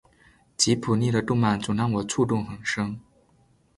吉卜力的动漫总让我触动很深